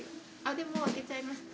でも開けちゃいましたか？